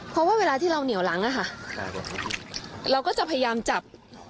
เพราะว่าเวลาที่เราเหนียวหลังอะค่ะเราก็จะพยายามจับ